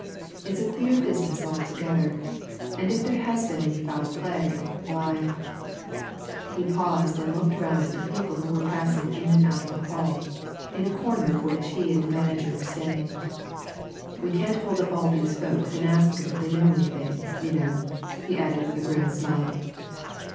It's a queer business altogether, and if there has been any foul play, why" he paused and looked round at the people who were passing in and out of the hall, in a corner of which he and the manager were standing "we can't hold up all these folk and ask 'em if they know anything, you know," he added, with a grim smile.